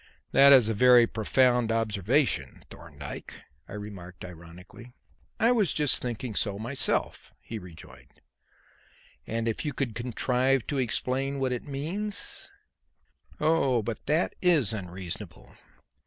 "That is a very profound observation, Thorndyke," I remarked ironically. "I was just thinking so myself," he rejoined. "And if you could contrive to explain what it means " "Oh, but that is unreasonable.